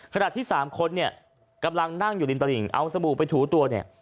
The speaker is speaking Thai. ขณะที่สามคนเนี่ยกำลังนั่งอยู่ริมตลิ่งเอาสบู่ไปถูตัวเนี่ย